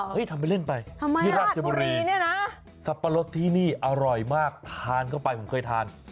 ทำไปเล่นไปที่ราชบุรีสับปะรดที่นี่อร่อยมากทานเข้าไปผมเคยทาน